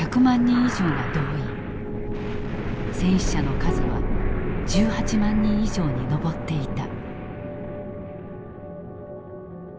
戦死者の数は１８万人以上に上っていた。